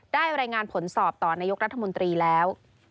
รายงานผลสอบต่อนายกรัฐมนตรีแล้ว